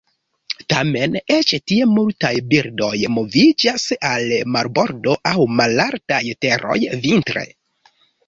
Tamen eĉ tie multaj birdoj moviĝas al marbordo aŭ malaltaj teroj vintre.